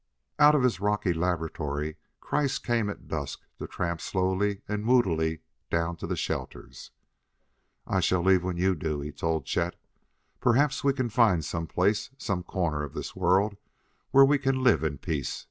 Out of his rocky "laboratory" Kreiss came at dusk to tramp slowly and moodily down to the shelters. "I shall leave when you do," he told Chet. "Perhaps we can find some place, some corner of this world, where we can live in peace.